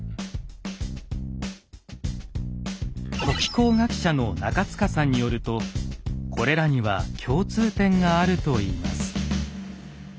古気候学者の中塚さんによるとこれらには共通点があるといいます。